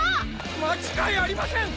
間違いありません！